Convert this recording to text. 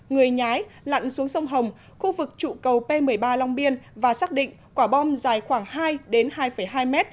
người nhái lặn xuống sông hồng khu vực trụ cầu p một mươi ba long biên và xác định quả bom dài khoảng hai hai m